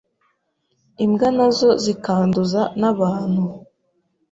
imbwa nazo zikanduza n’abantu.